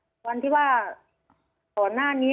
ยายก็ยังแอบไปขายขนมแล้วก็ไปถามเพื่อนบ้านว่าเห็นไหมอะไรยังไง